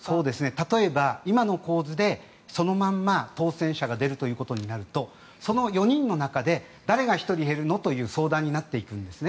例えば、今の構図でそのまま当選者が出るということになるとその４人の中で誰が１人減るの？という相談になっていくんですね。